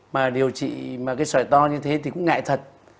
mà điều trị mà cái sợi to như thế thì cũng ngại thật